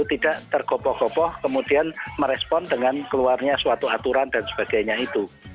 tidak tergopoh gopoh kemudian merespon dengan keluarnya suatu aturan dan sebagainya itu